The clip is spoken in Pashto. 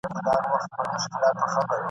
کله دي وران کړي زلزلې کله توپان وطنه !.